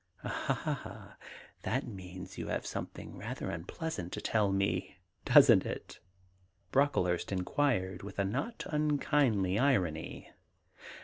*Ah, that means you have something rather un pleasant to tell me, doesn't it ?' Brocklehurst inquired with a not unkindly irony.